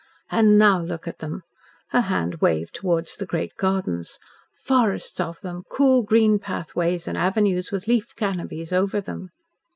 And now, look at them!" her hand waved towards the great gardens. "Forests of them, cool green pathways and avenues with leaf canopies over them."